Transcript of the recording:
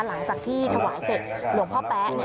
หลังจากที่ถวายเสร็จหลวงพ่อแป๊ะ